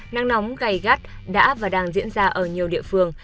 nắng nóng gây gắt đã và đang diễn ra ở nhiều địa phương